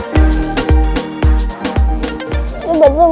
cepat sembuh ya sayang